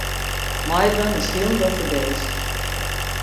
Meidwaan is hielendal fergees.